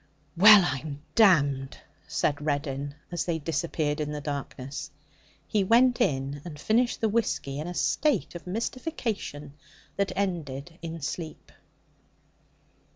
'Well, I'm damned, said Reddin as they disappeared in the darkness. He went in and finished the whisky in a state of mystification that ended in sleep.